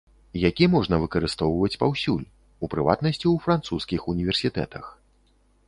Які можна выкарыстоўваць паўсюль, у прыватнасці ў французскіх універсітэтах.